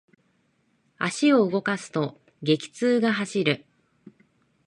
足を動かすと、激痛が走る。